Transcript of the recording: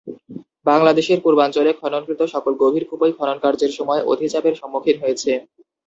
বাংলাদেশের পূর্বাঞ্চলে খননকৃত সকল গভীর কূপই খননকার্যের সময় অধিচাপের সম্মুখীন হয়েছে।